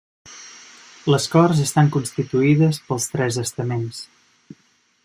Les corts estan constituïdes pels tres estaments: